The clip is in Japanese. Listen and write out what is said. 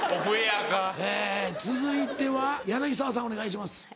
続いては柳沢さんお願いします。